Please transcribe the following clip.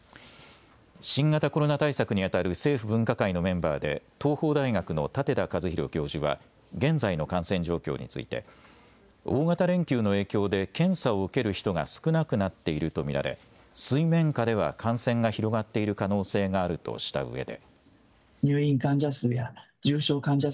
新型コロナ対策にあたる政府分科会のメンバーで東邦大学の舘田一博教授は現在の感染状況について大型連休の影響で検査を受ける人が少なくなっていると見られ水面下では感染が広がっている可能性があるとしたうえで。